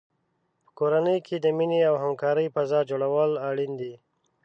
په کورنۍ کې د مینې او همکارۍ فضا جوړول اړین دي.